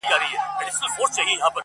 څارنوال ته پلار ویله دروغجنه,